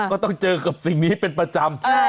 ก็ต้องเจอกับสิ่งนี้เป็นประจำ